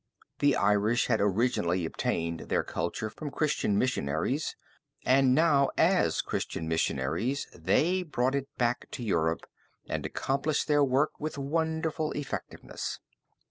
The Irish had originally obtained their culture from Christian Missionaries, and now as Christian Missionaries they brought it back to Europe and accomplished their work with wonderful effectiveness.